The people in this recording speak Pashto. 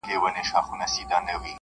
• له ازله پیدا کړي خدای پمن یو -